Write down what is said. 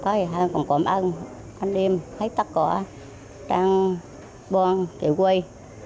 chị cũng cảm ơn anh em thấy tất cả đang buông chạy quay